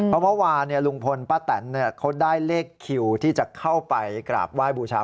เพราะเมื่อวานลุงพลป้าแตนเขาได้เลขคิวที่จะเข้าไปกราบไหว้บูชา